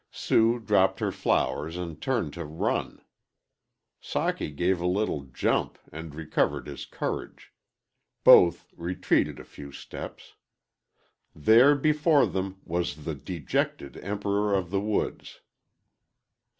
Sue dropped her flowers and turned to run. Socky gave a little jump and recovered his courage. Both retreated a few steps. There, before them, was the dejected "Emperor of the Woods."